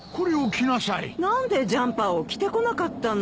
何でジャンパーを着てこなかったの？